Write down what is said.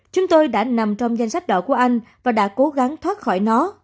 chúng tôi đã nằm trong danh sách đỏ của anh và đã cố gắng thoát khỏi nó